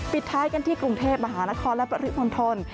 ปิดท้ายกันที่กรุงเทพมหานครและปริมณฑล